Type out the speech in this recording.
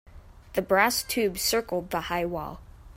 The brass tube circled the high wall.